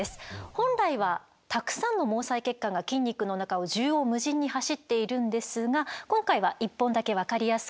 本来はたくさんの毛細血管が筋肉の中を縦横無尽に走っているんですが今回は１本だけ分かりやすく表しています。